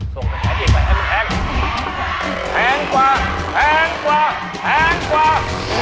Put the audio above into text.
แพงกว่าแพงกว่าแพงกว่า